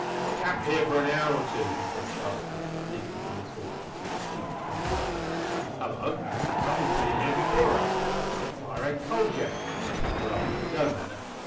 "We'll camp here for an hour or two," he said sharply, leaping from his horse, which he proceeded to unsaddle. "Hallo! somebody's bin here before us. Their fire ain't cold yet. Well, it don't matter.